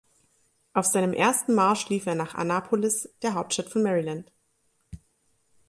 Auf seinem ersten Marsch lief er nach Annapolis, der Hauptstadt von Maryland.